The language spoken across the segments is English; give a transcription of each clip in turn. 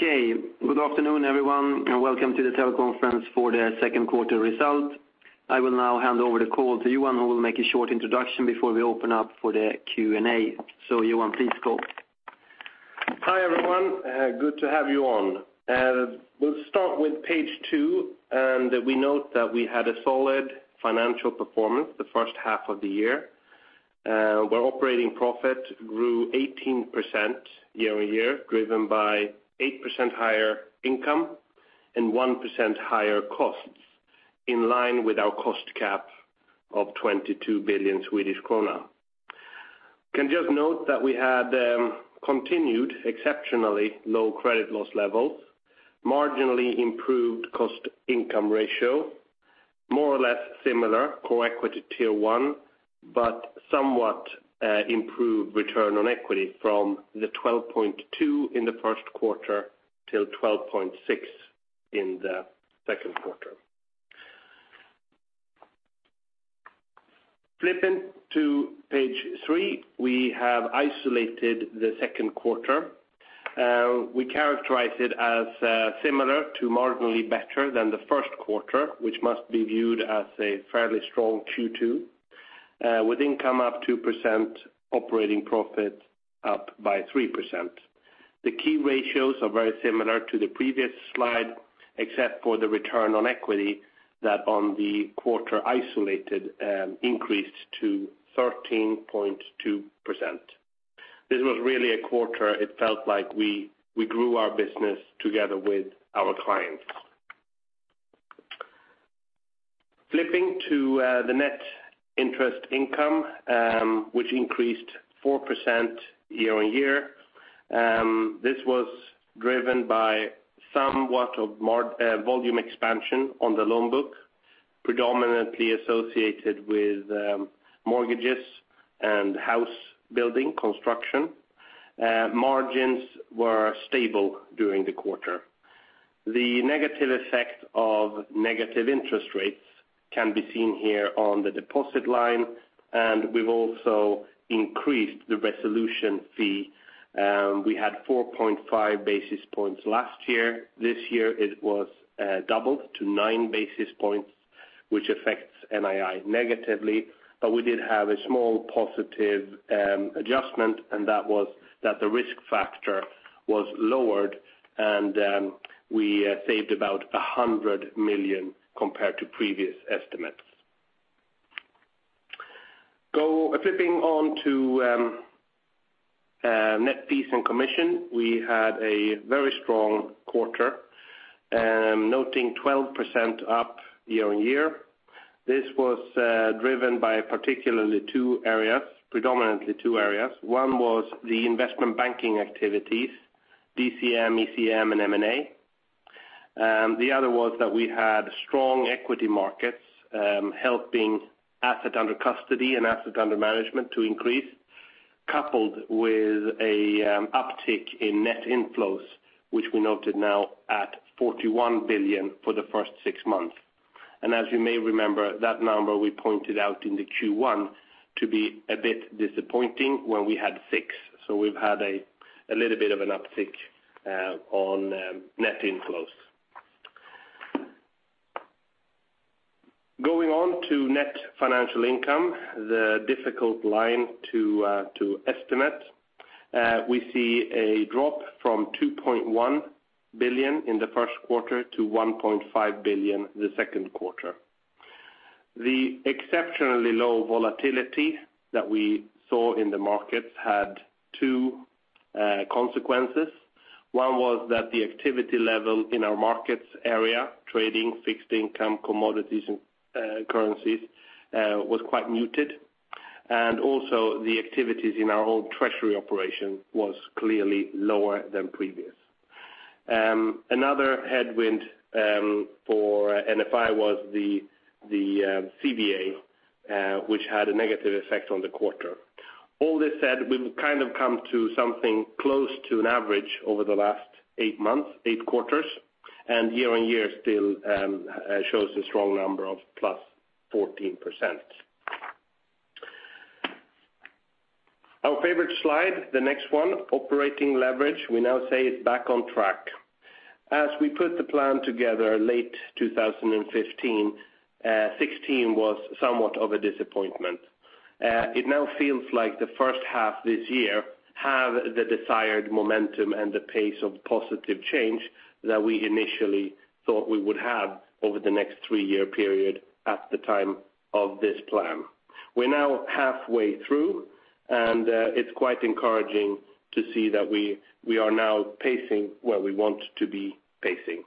Good afternoon, everyone. Welcome to the teleconference for the second quarter result. I will now hand over the call to Johan, who will make a short introduction before we open up for the Q&A. Johan, please go. Hi, everyone. Good to have you on. We'll start with page two. We note that we had a solid financial performance the first half of the year, where operating profit grew 18% year-on-year, driven by 8% higher income and 1% higher costs, in line with our cost cap of 22 billion Swedish krona. Can just note that we had continued exceptionally low credit loss levels, marginally improved cost income ratio, more or less similar Core Equity Tier one, but somewhat improved return on equity from the 12.2 in the first quarter till 12.6 in the second quarter. Flipping to page three, we have isolated the second quarter. We characterize it as similar to marginally better than the first quarter, which must be viewed as a fairly strong Q2, with income up 2%, operating profit up by 3%. The key ratios are very similar to the previous slide, except for the return on equity that on the quarter isolated increased to 13.2%. This was really a quarter it felt like we grew our business together with our clients. Flipping to the net interest income, which increased 4% year-on-year. This was driven by somewhat of volume expansion on the loan book, predominantly associated with mortgages and house building construction. Margins were stable during the quarter. The negative effect of negative interest rates can be seen here on the deposit line. We've also increased the resolution fee. We had 4.5 basis points last year. This year it was doubled to nine basis points, which affects NII negatively. We did have a small positive adjustment, and that was that the risk factor was lowered and we saved about 100 million compared to previous estimates. Flipping on to net fees and commission. We had a very strong quarter, noting 12% up year-on-year. This was driven by particularly two areas, predominantly two areas. One was the investment banking activities, DCM, ECM, and M&A. The other was that we had strong equity markets helping asset under custody and asset under management to increase, coupled with an uptick in net inflows, which we noted now at 41 billion for the first six months. As you may remember, that number we pointed out in the Q1 to be a bit disappointing when we had six. We've had a little bit of an uptick on net inflows. Going on to net financial income, the difficult line to estimate. We see a drop from 2.1 billion in the first quarter to 1.5 billion the second quarter. The exceptionally low volatility that we saw in the markets had two consequences. One was that the activity level in our markets area, trading, fixed income, commodities, and currencies, was quite muted. Also the activities in our whole treasury operation was clearly lower than previous. Another headwind for NFI was the CVA, which had a negative effect on the quarter. All this said, we've come to something close to an average over the last eight months, eight quarters, and year-on-year still shows a strong number of +14%. Our favorite slide, the next one, operating leverage, we now say it's back on track. As we put the plan together late 2015, 2016 was somewhat of a disappointment. It now feels like the first half this year have the desired momentum and the pace of positive change that we initially thought we would have over the next 3-year period at the time of this plan. We're now halfway through, and it's quite encouraging to see that we are now pacing where we want to be pacing.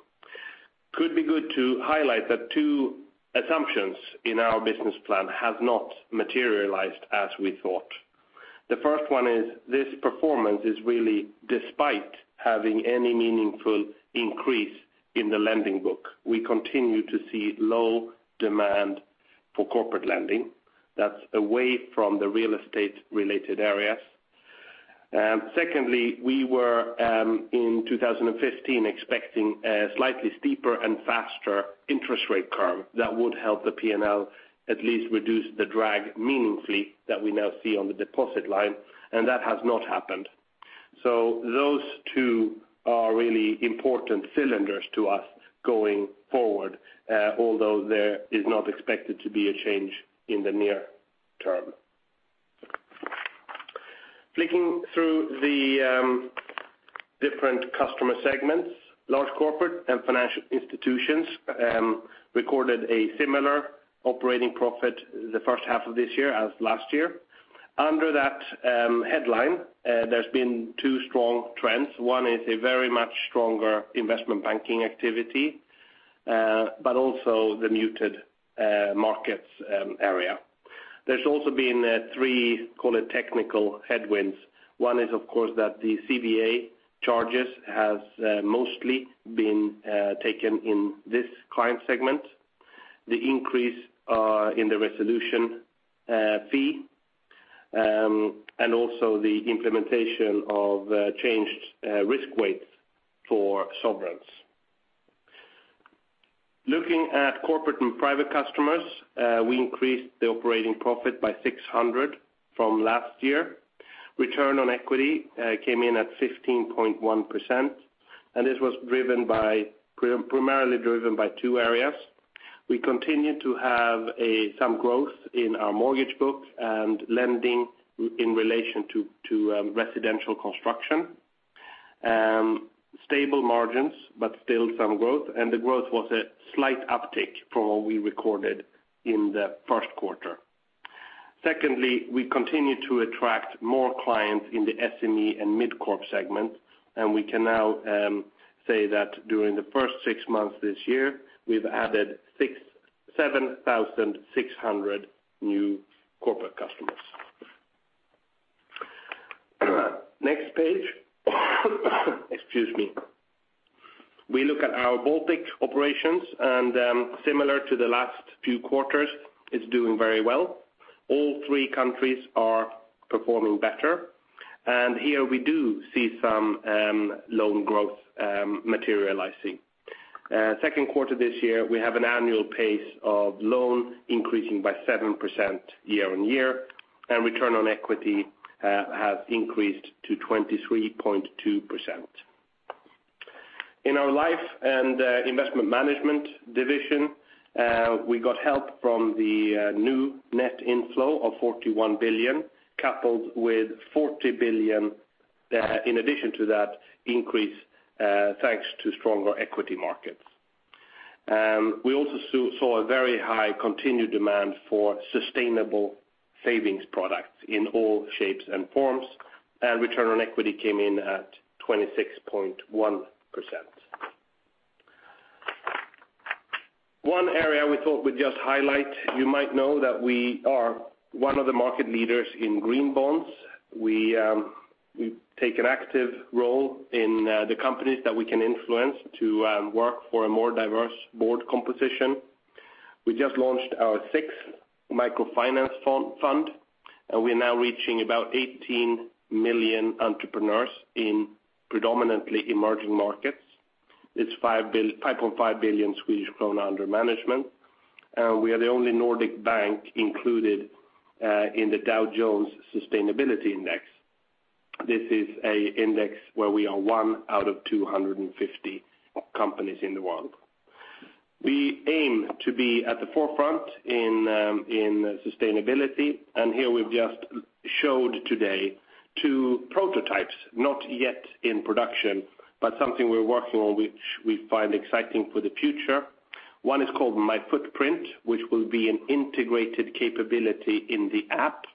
Could be good to highlight that two assumptions in our business plan have not materialized as we thought. The first one is this performance is really despite having any meaningful increase in the lending book. We continue to see low demand for corporate lending. That's away from the real estate-related areas. Secondly, we were, in 2015, expecting a slightly steeper and faster interest rate curve that would help the P&L at least reduce the drag meaningfully that we now see on the deposit line, and that has not happened. Those two are really important cylinders to us going forward, although there is not expected to be a change in the near term. Flicking through the different customer segments, large corporate and financial institutions recorded a similar operating profit the first half of this year as last year. Under that headline, there's been two strong trends. One is a very much stronger investment banking activity, but also the muted markets area. There's also been three, call it technical headwinds. One is, of course, that the CVA charges has mostly been taken in this client segment, the increase in the resolution fee, and also the implementation of changed risk weights for sovereigns. Looking at corporate and private customers, we increased the operating profit by 600 from last year. Return on equity came in at 15.1%, and this was primarily driven by two areas. We continue to have some growth in our mortgage books and lending in relation to residential construction. Stable margins, but still some growth, and the growth was a slight uptick from what we recorded in the first quarter. Secondly, we continue to attract more clients in the SME and mid-corp segment, and we can now say that during the first 6 months this year, we've added 7,600 new corporate customers. Next page. Excuse me. We look at our Baltic operations, and similar to the last few quarters, it's doing very well. All three countries are performing better. Here we do see some loan growth materializing. Second quarter this year, we have an annual pace of loans increasing by 7% year-over-year, and return on equity has increased to 23.2%. In our life and investment management division, we got help from the new net inflow of 41 billion, coupled with 40 billion in addition to that increase thanks to stronger equity markets. We also saw a very high continued demand for sustainable savings products in all shapes and forms. Return on equity came in at 26.1%. One area we thought we'd just highlight, you might know that we are one of the market leaders in green bonds. We take an active role in the companies that we can influence to work for a more diverse board composition. We just launched our sixth microfinance fund, and we are now reaching about 18 million entrepreneurs in predominantly emerging markets. It's 5.5 billion Swedish krona under management. We are the only Nordic bank included in the Dow Jones Sustainability Index. This is an index where we are one out of 250 companies in the world. We aim to be at the forefront in sustainability, and here we've just showed today two prototypes, not yet in production, but something we're working on which we find exciting for the future. One is called My Footprint, which will be an integrated capability in the app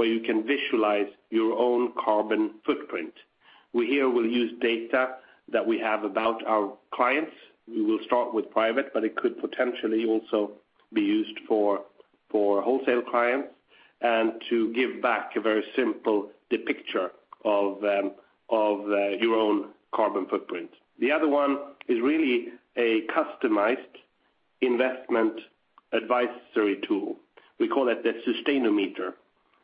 where you can visualize your own carbon footprint. We here will use data that we have about our clients. We will start with private, but it could potentially also be used for wholesale clients, and to give back a very simple picture of your own carbon footprint. The other one is really a customized investment advisory tool. We call it the Sustainometer,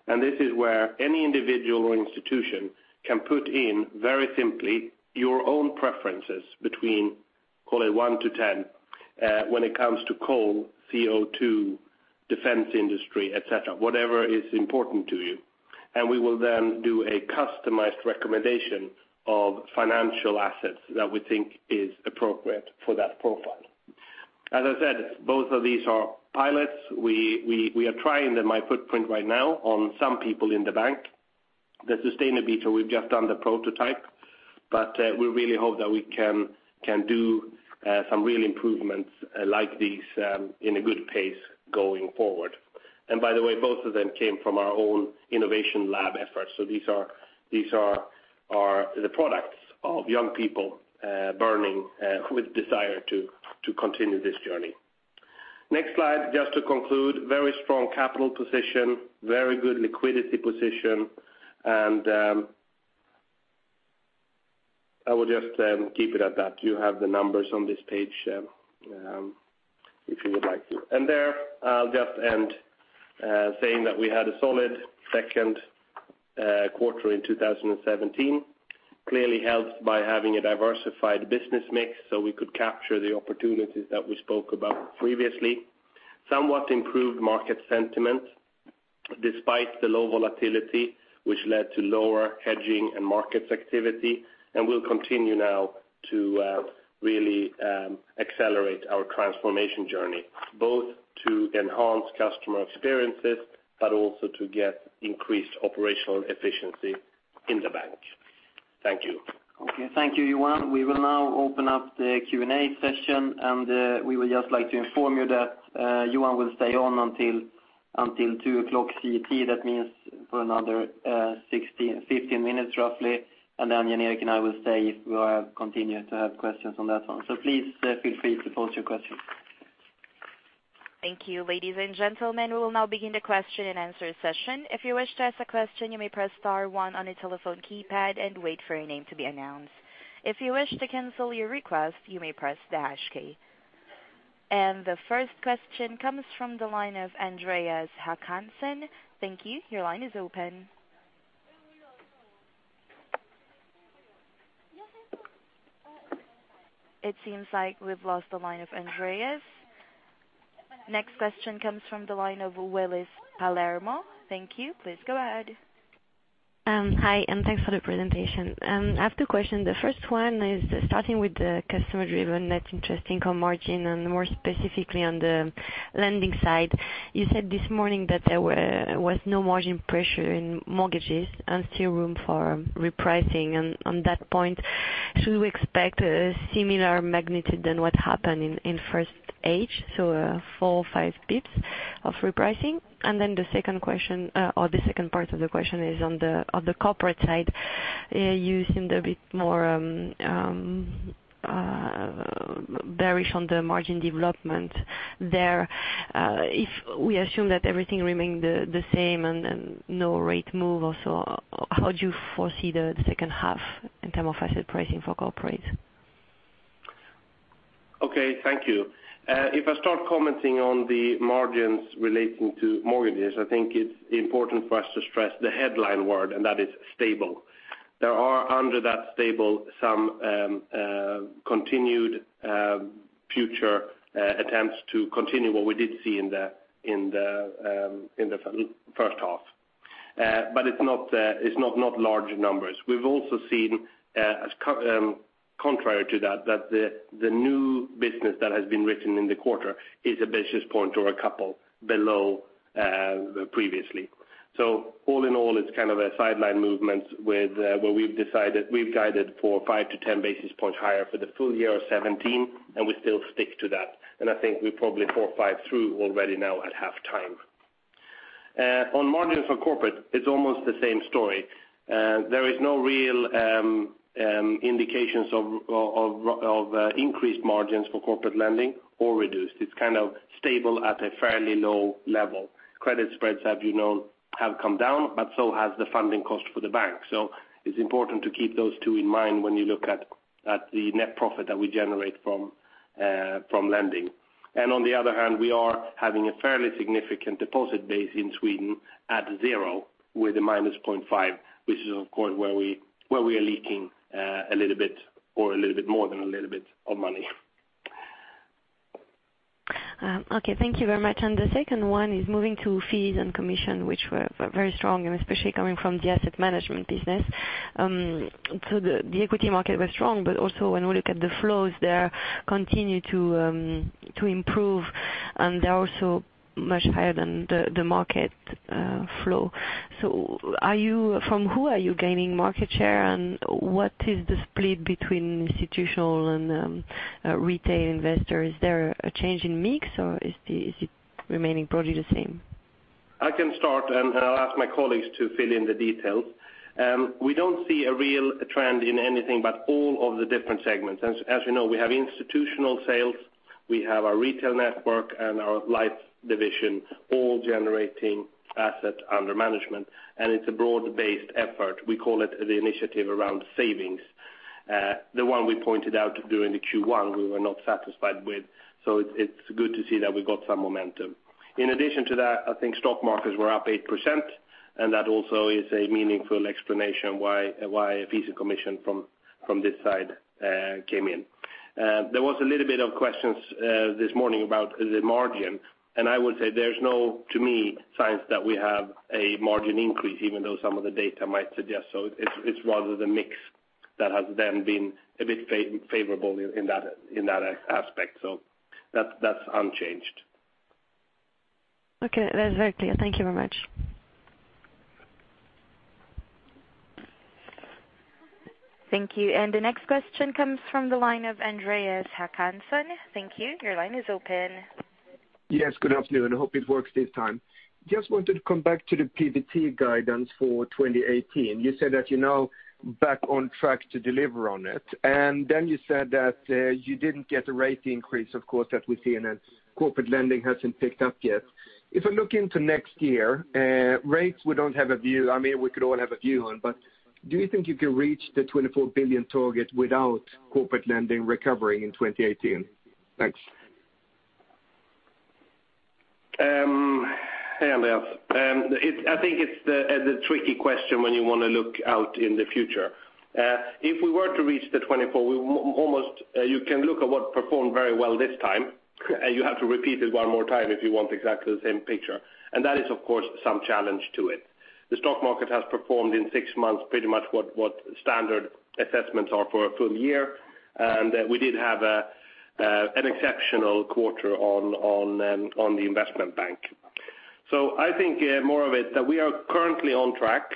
and this is where any individual or institution can put in very simply your own preferences between call it one to 10 when it comes to coal, CO2, defense industry, et cetera, whatever is important to you. We will then do a customized recommendation of financial assets that we think is appropriate for that profile. As I said, both of these are pilots. We are trying the My Footprint right now on some people in the bank. The Sustainometer, we've just done the prototype, but we really hope that we can do some real improvements like these in a good pace going forward. By the way, both of them came from our own innovation lab efforts. These are the products of young people burning with desire to continue this journey. Next slide just to conclude, very strong capital position, very good liquidity position, and I will just keep it at that. You have the numbers on this page if you would like to. There, I'll just end saying that we had a solid second quarter in 2017, clearly helped by having a diversified business mix so we could capture the opportunities that we spoke about previously. Somewhat improved market sentiment Despite the low volatility, which led to lower hedging and markets activity. We'll continue now to really accelerate our transformation journey, both to enhance customer experiences, but also to get increased operational efficiency in the bank. Thank you. Okay. Thank you, Johan. We will now open up the Q&A session. We would just like to inform you that Johan will stay on until 2:00 P.M. CT. That means for another 15 minutes, roughly. Then Jan Erik and I will stay if we continue to have questions on that one. Please feel free to pose your questions. Thank you. Ladies and gentlemen, we will now begin the question and answer session. If you wish to ask a question, you may press star one on your telephone keypad and wait for your name to be announced. If you wish to cancel your request, you may press the hash key. The first question comes from the line of Andreas Håkansson. Thank you. Your line is open. It seems like we've lost the line of Andreas. Next question comes from the line of Willis Palermo. Thank you. Please go ahead. Hi, thanks for the presentation. I have two question. The first one is starting with the customer-driven net interest income margin, and more specifically on the lending side. You said this morning that there was no margin pressure in mortgages and still room for repricing. On that point, should we expect a similar magnitude than what happened in first half, so four or five basis points of repricing? The second part of the question is on the corporate side. You seemed a bit more bearish on the margin development there. If we assume that everything remain the same and no rate move also, how do you foresee the second half in term of asset pricing for corporate? Okay, thank you. If I start commenting on the margins relating to mortgages, I think it's important for us to stress the headline word. That is stable. There are under that stable some continued future attempts to continue what we did see in the first half. It's not large numbers. We've also seen contrary to that the new business that has been written in the quarter is a basis point or a couple below previously. All in all, it's a sideline movement where we've guided for five to 10 basis points higher for the full year of 2017. We still stick to that. I think we probably four or five through already now at halftime. On margins for corporate, it's almost the same story. There is no real indications of increased margins for corporate lending or reduced. It's stable at a fairly low level. Credit spreads have come down. So has the funding cost for the bank. It's important to keep those two in mind when you look at the net profit that we generate from lending. On the other hand, we are having a fairly significant deposit base in Sweden at zero with a -0.5, which is of course where we are leaking a little bit, or a little bit more than a little bit of money. Okay, thank you very much. The second one is moving to fees and commission, which were very strong, especially coming from the asset management business. The equity market was strong, also when we look at the flows there continue to improve, and they are also much higher than the market flow. From who are you gaining market share, and what is the split between institutional and retail investors? Is there a change in mix, or is it remaining probably the same? I can start. I'll ask my colleagues to fill in the details. We don't see a real trend in anything, but all of the different segments. As you know, we have institutional sales, we have our retail network, and our life division all generating asset under management, and it's a broad-based effort. We call it the initiative around savings. The one we pointed out during the Q1 we were not satisfied with. It's good to see that we got some momentum. In addition to that, I think stock markets were up 8%. That also is a meaningful explanation why fees and commission from this side came in. There was a little bit of questions this morning about the margin. I would say there's no, to me, signs that we have a margin increase even though some of the data might suggest so. It's rather the mix that has then been a bit favorable in that aspect. That's unchanged. Okay. That's very clear. Thank you very much. Thank you. The next question comes from the line of Andreas Håkansson. Thank you. Your line is open. Yes, good afternoon. I hope it works this time. I just wanted to come back to the PBT guidance for 2018. You said that you're now back on track to deliver on it. You said that you didn't get a rate increase, of course, that we've seen. Corporate lending hasn't picked up yet. If I look into next year, rates we don't have a view on. I mean, we could all have a view on, do you think you can reach the 24 billion target without corporate lending recovering in 2018? Thanks. Hey, Andreas. I think it's the tricky question when you want to look out in the future. If we were to reach the 24 billion, you can look at what performed very well this time. You have to repeat it one more time if you want exactly the same picture. That is, of course, some challenge to it. The stock market has performed in six months, pretty much what standard assessments are for a full year. We did have an exceptional quarter on the investment bank. I think more of it that we are currently on track.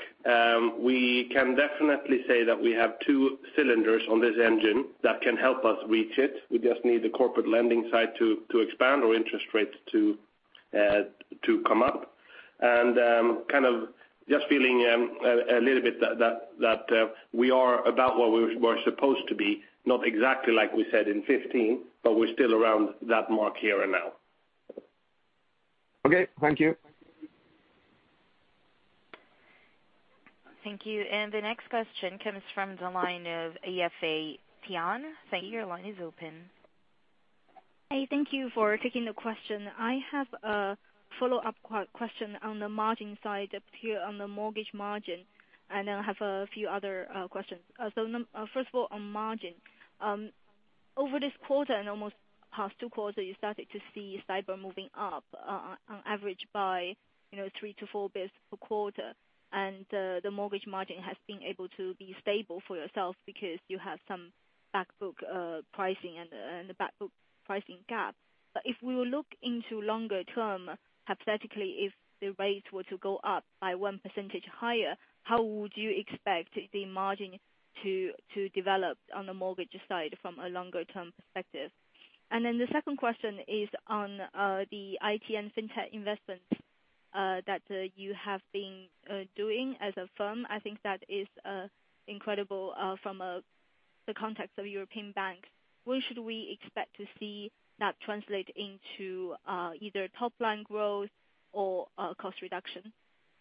We can definitely say that we have two cylinders on this engine that can help us reach it. We just need the corporate lending side to expand or interest rates to come up. just feeling a little bit that we are about where we were supposed to be, not exactly like we said in 2015, but we are still around that mark here now. Okay. Thank you. Thank you. The next question comes from the line of Riccardo Rovere. Sir, your line is open. Hey, thank you for taking the question. I have a follow-up question on the margin side up here on the mortgage margin, and I have a few other questions. First of all, on margin. Over this quarter and almost past two quarters, you started to see STIBOR moving up on average by three to four basis points per quarter. The mortgage margin has been able to be stable for yourself because you have some back book pricing and the back book pricing gap. But if we look into longer term, hypothetically, if the rates were to go up by one percentage higher, how would you expect the margin to develop on the mortgage side from a longer-term perspective? The second question is on the IT and fintech investments that you have been doing as a firm. I think that is incredible from the context of European banks. When should we expect to see that translate into either top-line growth or cost reduction?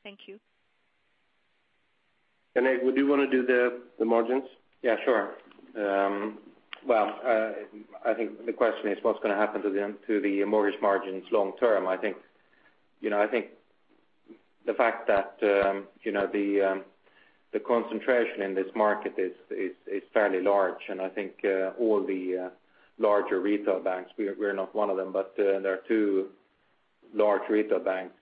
Thank you. René, would you want to do the margins? Yeah, sure. Well, I think the question is what's going to happen to the mortgage margins long term. I think the fact that the concentration in this market is fairly large, I think all the larger retail banks, we're not one of them, but there are two large retail banks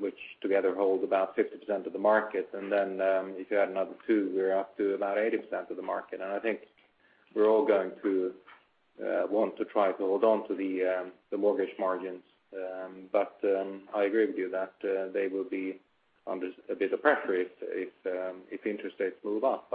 which together hold about 50% of the market. Then if you add another two, we're up to about 80% of the market. I think we're all going to want to try to hold on to the mortgage margins. I agree with you that they will be under a bit of pressure if interest rates move up.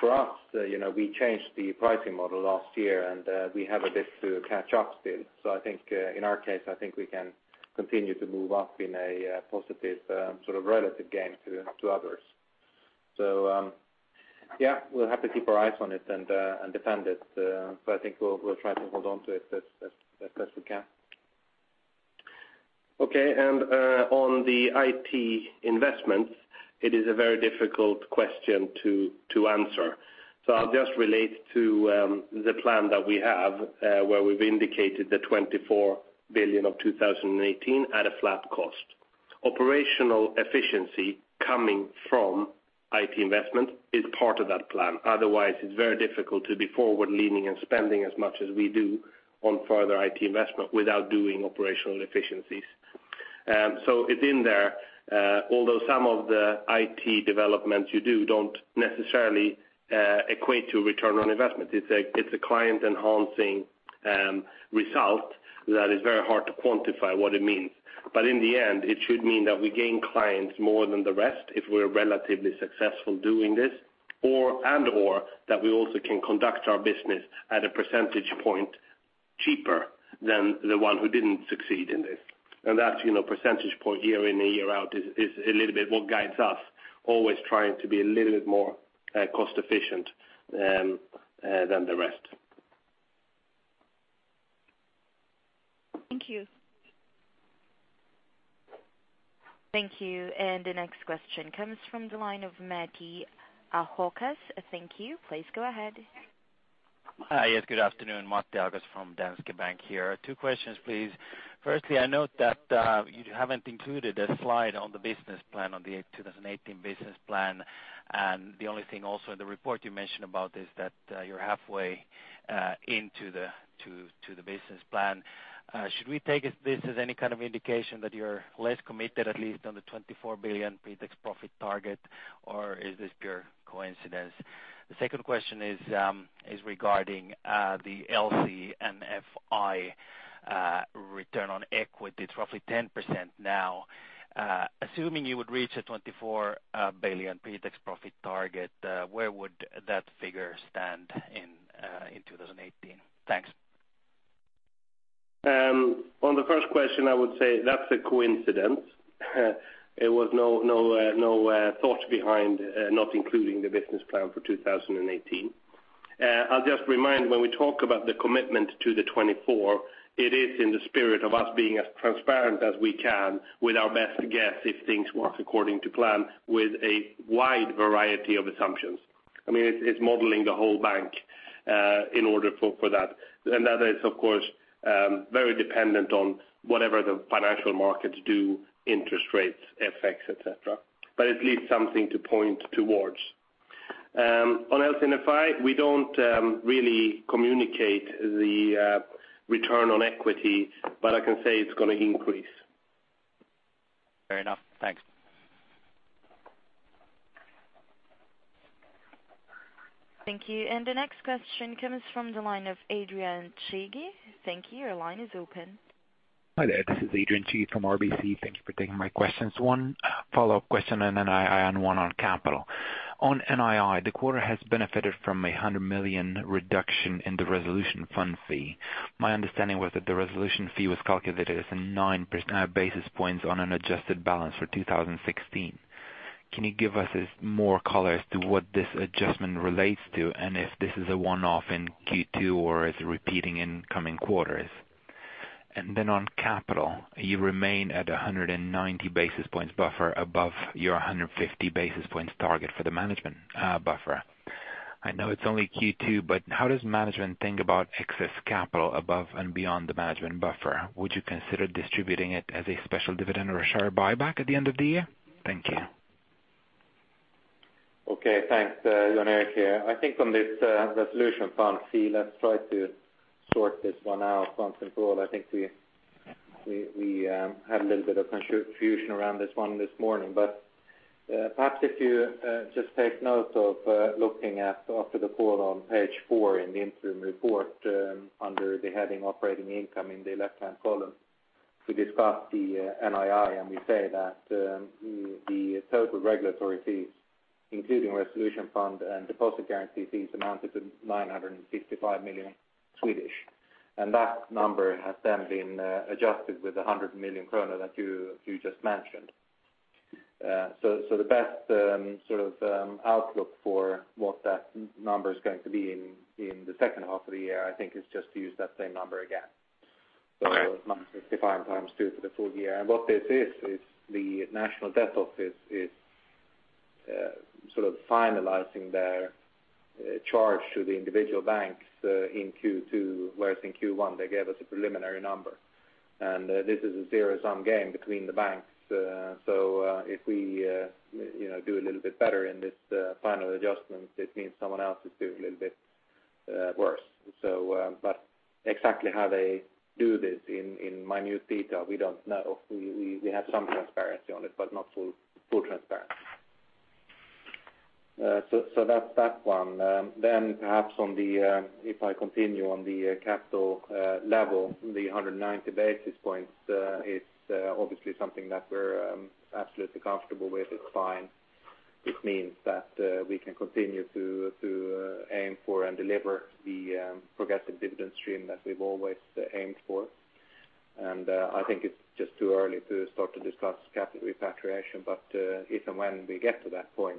For us, we changed the pricing model last year, and we have a bit to catch up still. I think in our case, I think we can continue to move up in a positive relative game to others. Yeah, we'll have to keep our eyes on it and defend it. I think we'll try to hold on to it as best we can. Okay. On the IT investments, it is a very difficult question to answer. I'll just relate to the plan that we have where we've indicated the 24 billion of 2018 at a flat cost. Operational efficiency coming from IT investment is part of that plan. Otherwise, it's very difficult to be forward-leaning and spending as much as we do on further IT investment without doing operational efficiencies. It's in there. Although some of the IT developments you do don't necessarily equate to return on investment. It's a client-enhancing result that is very hard to quantify what it means. In the end, it should mean that we gain clients more than the rest if we're relatively successful doing this, and/or that we also can conduct our business at a percentage point cheaper than the one who didn't succeed in this. That percentage point year in, year out is a little bit what guides us, always trying to be a little bit more cost-efficient than the rest. Thank you. Thank you. The next question comes from the line of Matti Hokkanen. Thank you. Please go ahead. Hi. Yes, good afternoon. Matti Hokkanen from Danske Bank here. Two questions, please. Firstly, I note that you haven't included a slide on the business plan on the 2018 business plan. The only thing also in the report you mentioned about is that you're halfway into the business plan. Should we take this as any kind of indication that you're less committed, at least on the 24 billion pretax profit target, or is this pure coincidence? The second question is regarding the LC&FI return on equity. It's roughly 10% now. Assuming you would reach a 24 billion pretax profit target, where would that figure stand in 2018? Thanks. On the first question, I would say that's a coincidence. There was no thought behind not including the business plan for 2018. I'll just remind, when we talk about the commitment to the 24, it is in the spirit of us being as transparent as we can with our best guess if things work according to plan with a wide variety of assumptions. It's modeling the whole bank in order for that. That is, of course, very dependent on whatever the financial markets do, interest rates, effects, et cetera. It leaves something to point towards. On LC&FI, we don't really communicate the return on equity. I can say it's going to increase. Fair enough. Thanks. Thank you. The next question comes from the line of Adrian Cighi. Thank you. Your line is open. Hi there. This is Adrian Cighi from RBC. Thank you for taking my questions. One follow-up question, then one on capital. On NII, the quarter has benefited from a 100 million reduction in the resolution fund fee. My understanding was that the resolution fee was calculated as a nine basis points on an adjusted balance for 2016. Can you give us more color as to what this adjustment relates to, and if this is a one-off in Q2 or is it repeating in coming quarters? Then on capital, you remain at 190 basis points buffer above your 150 basis points target for the management buffer. I know it's only Q2, but how does management think about excess capital above and beyond the management buffer? Would you consider distributing it as a special dividend or a share buyback at the end of the year? Thank you. Okay. Thanks. Johan here. I think on this resolution fund fee, let's try to sort this one out once and for all. I think we had a little bit of confusion around this one this morning. Perhaps if you just take note of looking at after the call on page four in the interim report under the heading Operating Income in the left-hand column, we discussed the NII, and we say that the total regulatory fees, including resolution fund and deposit guarantee fees, amounted to 955 million. That number has then been adjusted with the 100 million krona that you just mentioned. The best outlook for what that number is going to be in the second half of the year, I think is just to use that same number again. Okay. 955 times two for the full year. What this is the National Debt Office is finalizing their charge to the individual banks in Q2, whereas in Q1 they gave us a preliminary number. This is a zero-sum game between the banks. If we do a little bit better in this final adjustment, it means someone else is doing a little bit worse. Exactly how they do this in minute detail, we don't know. We have some transparency on it, but not full transparency. That's that one. Perhaps if I continue on the capital level, the 190 basis points, it's obviously something that we're absolutely comfortable with. It's fine. It means that we can continue to aim for and deliver the progressive dividend stream that we've always aimed for. I think it's just too early to start to discuss capital repatriation. If and when we get to that point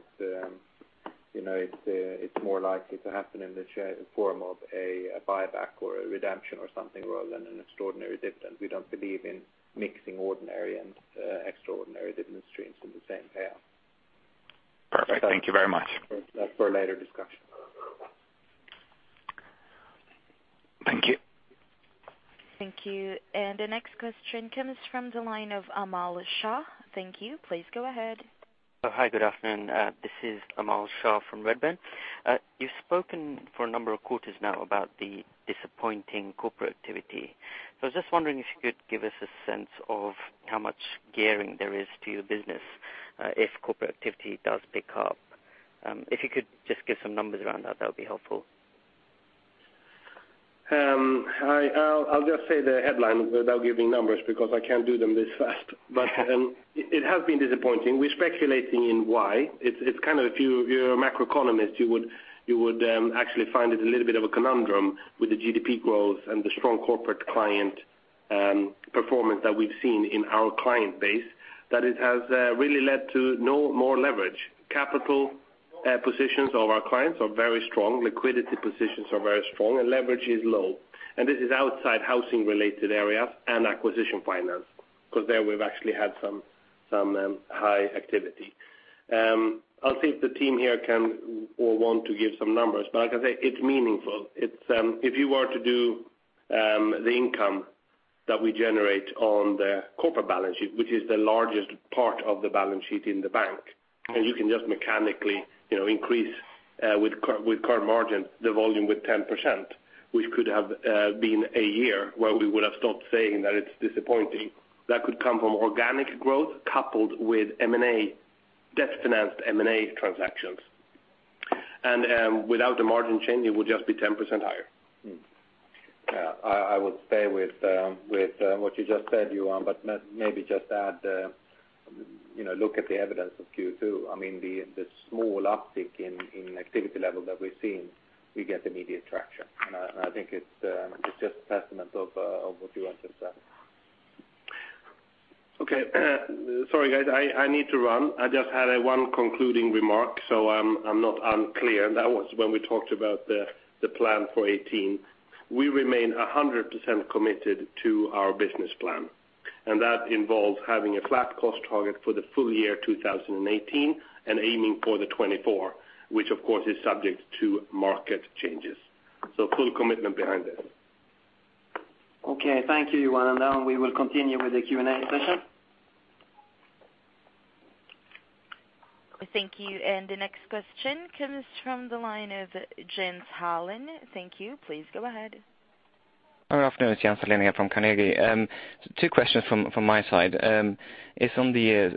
it's more likely to happen in the form of a buyback or a redemption or something rather than an extraordinary dividend. We don't believe in mixing ordinary and extraordinary dividend streams in the same payout. Perfect. Thank you very much. That's for a later discussion. Thank you. Thank you. The next question comes from the line of Namit Shah. Thank you. Please go ahead. Hi. Good afternoon. This is Namit Shah from Redburn. You've spoken for a number of quarters now about the disappointing corporate activity. I was just wondering if you could give us a sense of how much gearing there is to your business if corporate activity does pick up. If you could just give some numbers around that would be helpful. I'll just say the headline without giving numbers because I can't do them this fast. It has been disappointing. We're speculating in why. If you're a macroeconomist, you would actually find it a little bit of a conundrum with the GDP growth and the strong corporate client performance that we've seen in our client base, that it has really led to no more leverage. Capital positions of our clients are very strong, liquidity positions are very strong, and leverage is low. This is outside housing-related areas and acquisition finance, because there we've actually had some high activity. I'll see if the team here can or want to give some numbers, but like I say, it's meaningful. If you were to do the income that we generate on the corporate balance sheet, which is the largest part of the balance sheet in the bank, you can just mechanically increase with current margin the volume with 10%, which could have been a year where we would have stopped saying that it's disappointing. That could come from organic growth coupled with M&A, debt-financed M&A transactions. Without a margin change, it would just be 10% higher. Yeah. I would stay with what you just said, Johan, but maybe just add, look at the evidence of Q2. The small uptick in activity level that we're seeing, we get immediate traction. I think it's just testament of what Johan just said. Okay. Sorry, guys, I need to run. I just had one concluding remark so I'm not unclear, and that was when we talked about the plan for 2018. We remain 100% committed to our business plan. That involves having a flat cost target for the full year 2018 and aiming for the 24, which of course is subject to market changes. Full commitment behind it. Okay, thank you, Johan. Now we will continue with the Q&A session. Thank you. The next question comes from the line of Jens Hallén. Thank you. Please go ahead. Good afternoon, Jens Hallén from Carnegie. Two questions from my side. It's on the,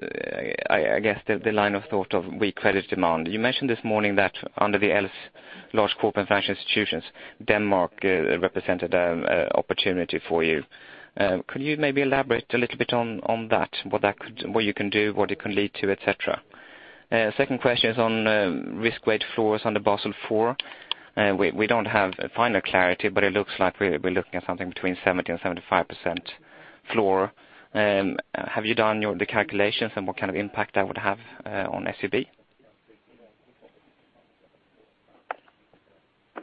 I guess, the line of thought of weak credit demand. You mentioned this morning that under the LC&FI large corporate financial institutions, Denmark represented an opportunity for you. Could you maybe elaborate a little bit on that, what you can do, what it can lead to, et cetera? Second question is on risk weight floors under Basel IV. We don't have final clarity, but it looks like we're looking at something between 70 and 75% floor. Have you done the calculations on what kind of impact that would have on SEB?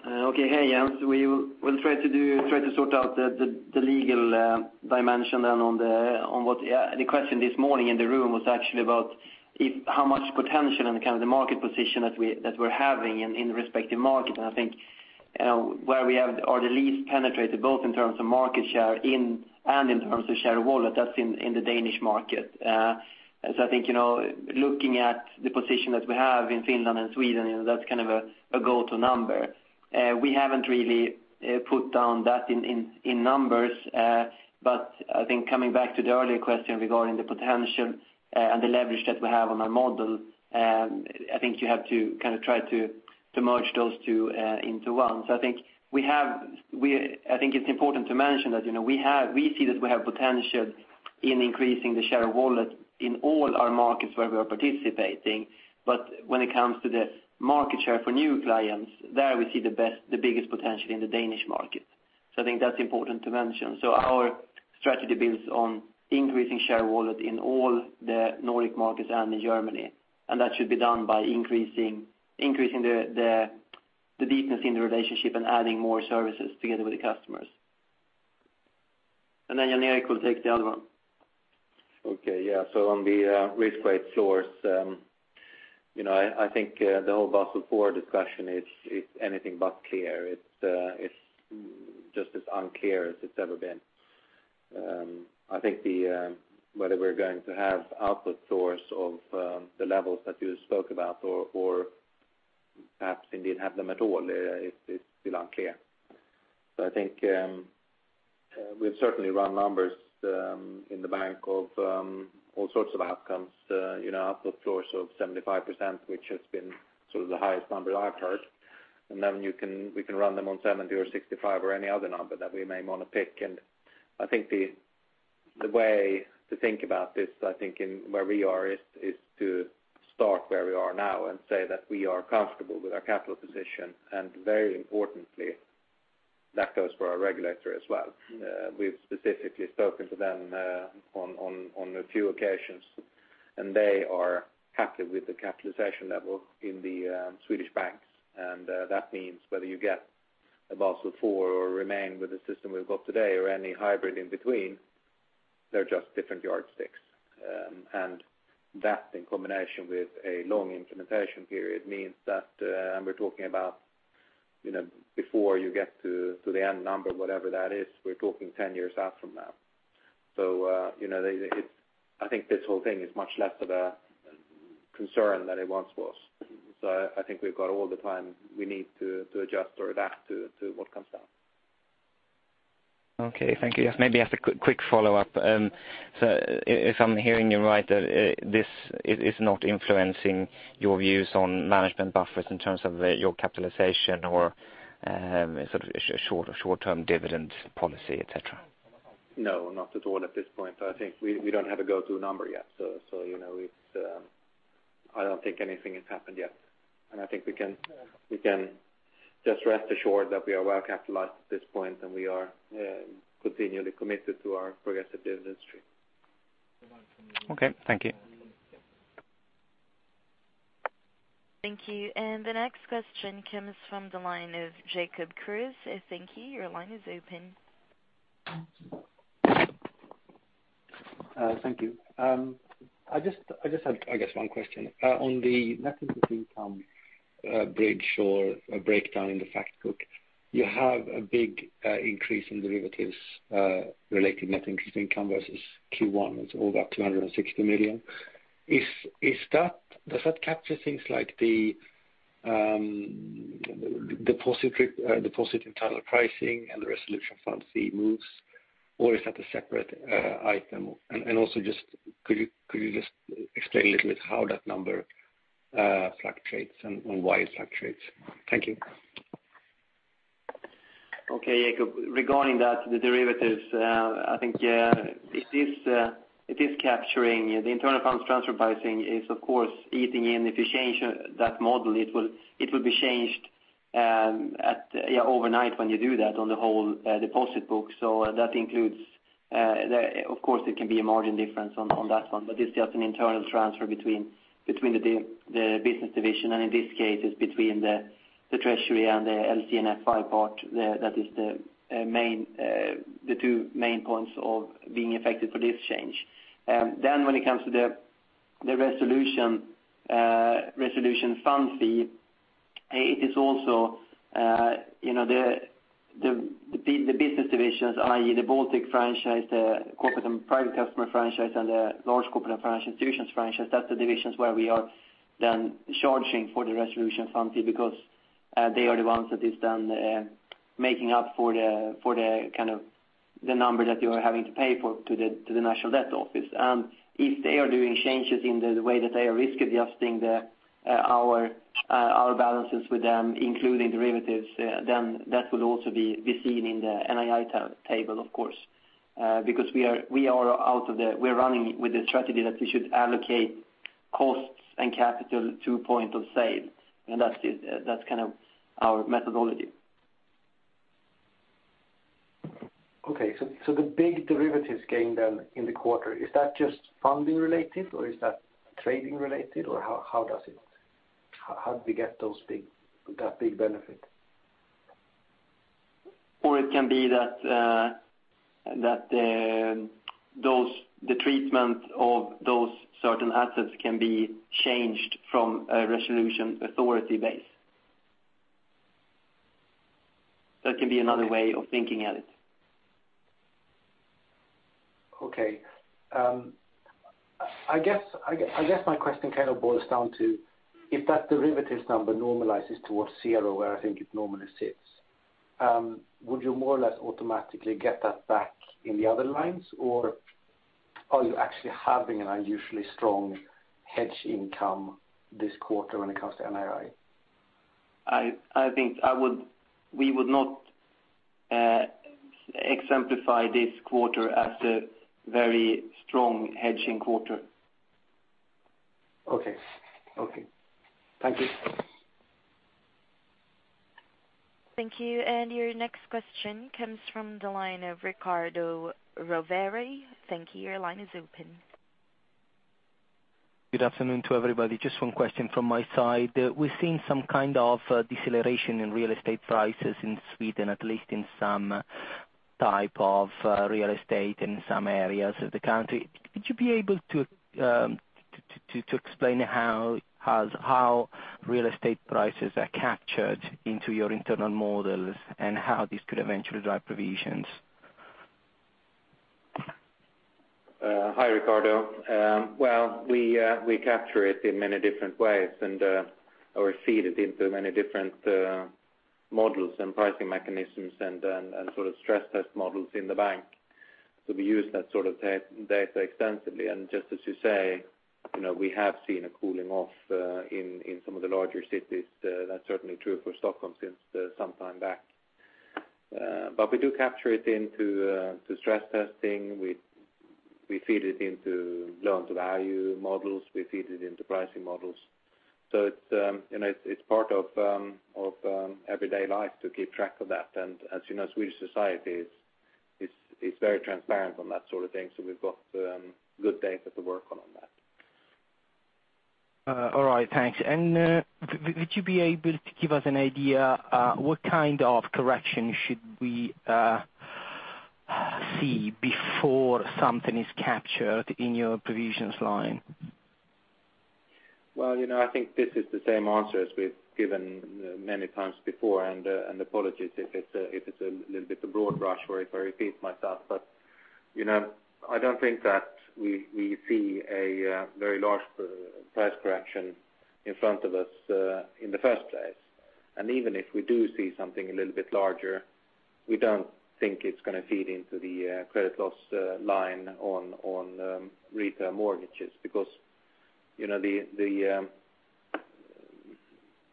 Okay. Hey, Jens. We will try to sort out the legal dimension on what the question this morning in the room was actually about how much potential and the kind of the market position that we're having in the respective market. I think where we are the least penetrated, both in terms of market share and in terms of share wallet, that's in the Danish market. I think, looking at the position that we have in Finland and Sweden, that's kind of a go-to number. We haven't really put down that in numbers. I think coming back to the earlier question regarding the potential and the leverage that we have on our model, I think you have to try to merge those two into one. I think it's important to mention that we see that we have potential in increasing the share wallet in all our markets where we are participating. When it comes to the market share for new clients, there we see the biggest potential in the Danish market. I think that's important to mention. Our strategy builds on increasing share wallet in all the Nordic markets and in Germany, that should be done by increasing the deepness in the relationship and adding more services together with the customers. Jan Erik will take the other one. Okay. Yeah. On the risk weight floors, I think the whole Basel IV discussion is anything but clear. It's just as unclear as it's ever been. I think whether we're going to have output floors of the levels that you spoke about or perhaps indeed have them at all is still unclear. I think we've certainly run numbers in the bank of all sorts of outcomes. Output floors of 75%, which has been sort of the highest number I've heard. We can run them on 70 or 65 or any other number that we may want to pick. I think the way to think about this, I think where we are is to start where we are now and say that we are comfortable with our capital position, and very importantly, that goes for our regulator as well. We've specifically spoken to them on a few occasions, and they are happy with the capitalization level in the Swedish banks. That means whether you get a Basel IV or remain with the system we've got today or any hybrid in between, they're just different yardsticks. That, in combination with a long implementation period, means that we're talking about before you get to the end number, whatever that is, we're talking 10 years out from now. I think this whole thing is much less of a concern than it once was. I think we've got all the time we need to adjust or adapt to what comes down. Okay, thank you. Yes, maybe as a quick follow-up. If I'm hearing you right, this is not influencing your views on management buffers in terms of your capitalization or short-term dividend policy, et cetera? No, not at all at this point. I think we don't have a go-to number yet. I don't think anything has happened yet. I think we can just rest assured that we are well-capitalized at this point and we are continually committed to our progressive business stream. Okay, thank you. Thank you. The next question comes from the line of Jacob Kruse. Thank you. Your line is open. Thank you. I just had one question. On the net interest income bridge or breakdown in the fact book, you have a big increase in derivatives related net interest income versus Q1. It is over SEK 260 million. Does that capture things like the deposit internal pricing and the resolution fund fee moves, or is that a separate item? Could you explain a little bit how that number fluctuates and why it fluctuates? Thank you. Okay. Jacob, regarding that, the derivatives, I think it is capturing the internal funds transfer pricing is, of course, eating in. If you change that model, it will be changed overnight when you do that on the whole deposit book. That includes, of course, it can be a margin difference on that one, but it's just an internal transfer between the business division, and in this case it's between the treasury and the LC&FI part. That is the two main points of being affected for this change. When it comes to the resolution fund fee It is also the business divisions, i.e., the Baltic franchise, the corporate and private customer franchise, and the Large Corporates & Financial Institutions franchise. That's the divisions where we are charging for the resolution funding because they are the ones that are making up for the number that you are having to pay for to the Swedish National Debt Office. If they are doing changes in the way that they are risk-adjusting our balances with them, including derivatives, that will also be seen in the NII table, of course. We're running with the strategy that we should allocate costs and capital to point of sale, and that's our methodology. Okay. The big derivatives gain in the quarter, is that just funding related or is that trading related? How do we get that big benefit? It can be that the treatment of those certain assets can be changed from a resolution authority base. That can be another way of thinking at it. Okay. I guess my question boils down to if that derivatives number normalizes towards zero, where I think it normally sits, would you more or less automatically get that back in the other lines? Are you actually having an unusually strong hedge income this quarter when it comes to NII? I think we would not exemplify this quarter as a very strong hedging quarter. Okay. Thank you. Thank you. Your next question comes from the line of Riccardo Rovere. Thank you. Your line is open. Good afternoon to everybody. Just one question from my side. We're seeing some kind of deceleration in real estate prices in Sweden, at least in some type of real estate in some areas of the country. Could you be able to explain how real estate prices are captured into your internal models and how this could eventually drive provisions? Hi, Riccardo. We capture it in many different ways and/or feed it into many different models and pricing mechanisms and sort of stress test models in the bank. We use that sort of data extensively, and just as you say, we have seen a cooling off in some of the larger cities. That's certainly true for Stockholm since some time back. We do capture it into stress testing. We feed it into loans value models. We feed it into pricing models. It's part of everyday life to keep track of that. As you know, Swedish society is very transparent on that sort of thing. We've got good data to work on that. All right, thanks. Would you be able to give us an idea what kind of correction should we see before something is captured in your provisions line? I think this is the same answer as we've given many times before. Apologies if it's a little bit of a broad brush or if I repeat myself. I don't think that we see a very large price correction in front of us in the first place. Even if we do see something a little bit larger, we don't think it's going to feed into the credit loss line on retail mortgages.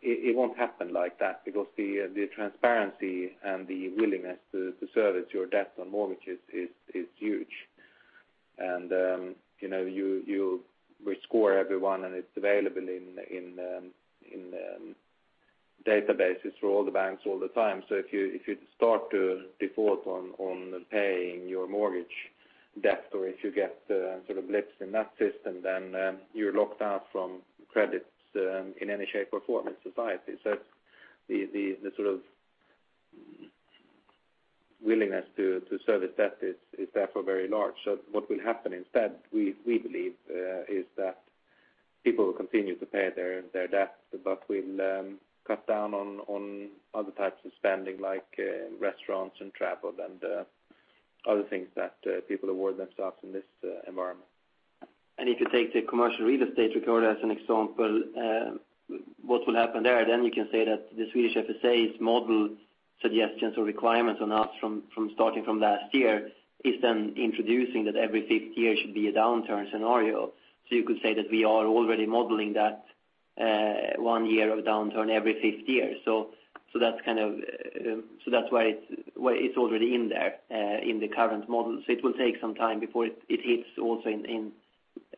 It won't happen like that because the transparency and the willingness to service your debts on mortgages is huge. We score everyone, and it's available in databases for all the banks all the time. If you start to default on paying your mortgage debt or if you get sort of blips in that system, then you're locked out from credits in any shape or form in society. The sort of willingness to service debt is therefore very large. What will happen instead, we believe, is that people will continue to pay their debt, but will cut down on other types of spending, like restaurants and travel and other things that people award themselves in this environment. If you take the commercial real estate record as an example, what will happen there, then you can say that the Swedish FSA's model suggestions or requirements on us from starting from last year is then introducing that every fifth year should be a downturn scenario. You could say that we are already modeling that one year of downturn every fifth year. That's why it's already in there in the current model. It will take some time before it hits also in.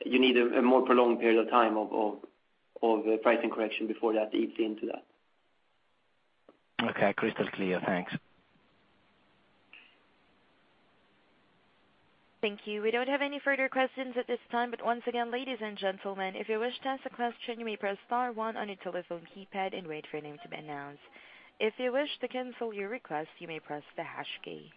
You need a more prolonged period of time of pricing correction before that eats into that. Okay. Crystal clear. Thanks. Thank you. We don't have any further questions at this time. Once again, ladies and gentlemen, if you wish to ask a question, you may press star 1 on your telephone keypad and wait for your name to be announced. If you wish to cancel your request, you may press the hash key.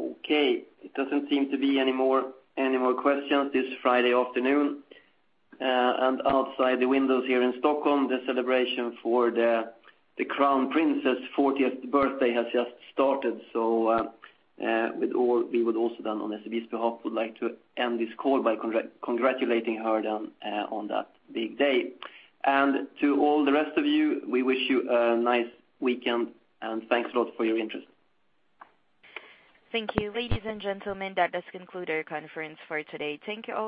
Okay. It doesn't seem to be any more questions this Friday afternoon. Outside the windows here in Stockholm, the celebration for the Crown Princess' 40th birthday has just started. We would also then, on SEB's behalf, would like to end this call by congratulating her then on that big day. To all the rest of you, we wish you a nice weekend, and thanks a lot for your interest. Thank you. Ladies and gentlemen, that does conclude our conference for today. Thank you all.